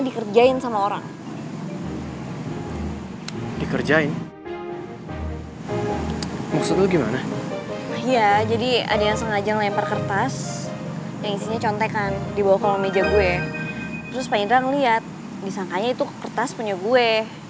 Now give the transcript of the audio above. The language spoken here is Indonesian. terus pak indra ngeliat disangkanya itu kertas punya gue